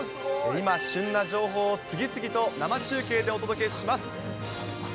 今、旬な情報を、次々と生中継でお届けします。